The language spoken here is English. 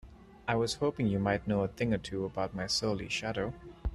I was hoping you might know a thing or two about my surly shadow?